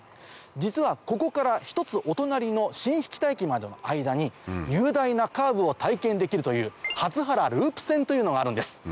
実はここから１つお隣の新疋田駅までの間に雄大なカーブを体験できるという鳩原ループ線というのがあるんです。